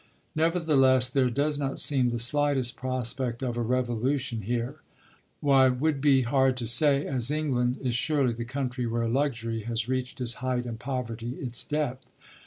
Nevertheless there does not seem the slightest prospect of a revolution here. Why, would be hard to say, as England is surely the country where luxury has reached its height and poverty its depth.